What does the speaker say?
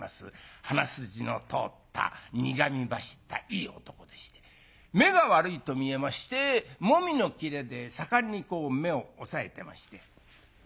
鼻筋の通った苦み走ったいい男でして目が悪いと見えまして紅絹の布で盛んにこう目を押さえてまして。